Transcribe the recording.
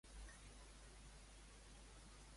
Malgrat tot, l'home intentà menjar-se el que havia agafat?